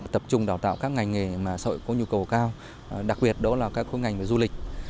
tập trung đào tạo các ngành nghề mà xã hội có nhu cầu cao đặc biệt đó là các ngành du lịch